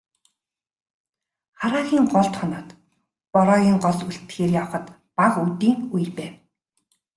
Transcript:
Хараагийн голд хоноод, Бороогийн голд үлдэхээр явахад бага үдийн үе байв.